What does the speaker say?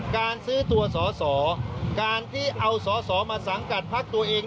การซื้อตัวสอสอการที่เอาสอสอมาสังกัดพักตัวเอง